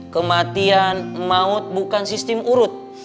kematian maut bukan sistem urut